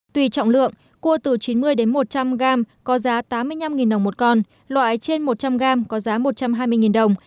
tùy trọng lượng cua từ chín mươi một trăm linh gram có giá tám mươi năm đồng một con loại trên một trăm linh g có giá một trăm hai mươi đồng